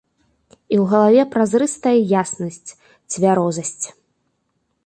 І ў галаве празрыстая яснасць, цвярозасць.